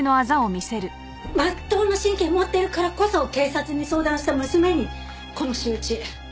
まっとうな神経持ってるからこそ警察に相談した娘にこの仕打ち。